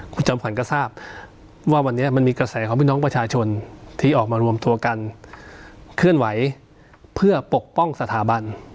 คุณจอมขวัญก็ทราบว่าวันนี้มันมีกระแสของพี่น้องประชาชนที่ออกมารวมตัวกันเคลื่อนไหวเพื่อปกป้องสถาบัน